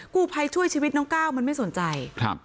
กู้ภัยช่วยชีวิตน้องก้าวมันไม่สนใจครับ